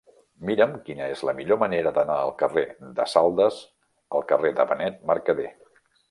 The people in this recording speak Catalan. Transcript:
Mira'm quina és la millor manera d'anar del carrer de Saldes al carrer de Benet Mercadé.